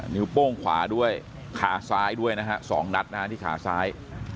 นิ้วโป้งขวาด้วยขาซ้ายด้วยนะฮะ๒นัดนะฮะที่ขาซ้าย